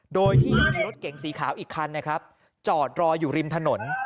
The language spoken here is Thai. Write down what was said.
โดยที่ยังมีรถเก๋งสีขาวอีกคันนะครับจอดรออยู่ริมถนน